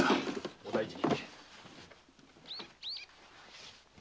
お大事に。